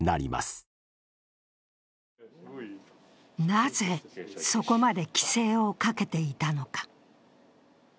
なぜそこまで規制をかけていたのか。